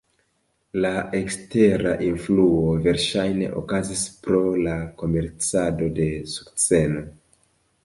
La ekstera influo verŝajne okazis pro la komercado de sukceno.